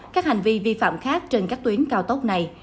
các hành vi vi phạm khác trên các tuyến cao tốc này